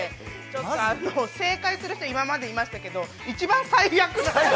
ちょっと正解する人、今までいましたけど一番最悪な。